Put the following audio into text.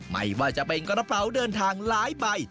ไม่ว่าจะเป็นกระเป๋าเดินทางหลายใบ